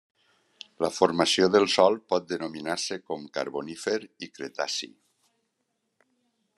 La formació del sòl pot denominar-se com carbonífer i cretaci.